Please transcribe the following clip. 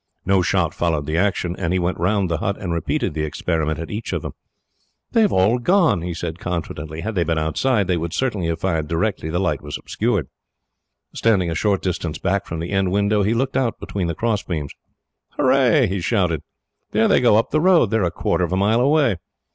No shot followed the action, and he went round the hut, and repeated the experiment at each of them. "They have all gone," he said confidently. "Had they been outside, they would certainly have fired directly the light was obscured." Standing a short distance back from the end window, he looked out between the crossbeams. "Hurrah!" he shouted. "There they go up the road. They are a quarter of a mile away.